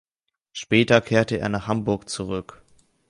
Später kehrte er nach Hamburg zurück.